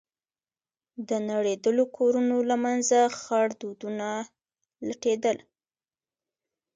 د نړېدلو كورونو له منځه خړ دودونه لټېدل.